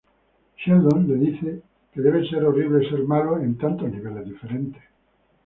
Sheldon le dice que debe ser horrible ser malo en tantos niveles diferentes.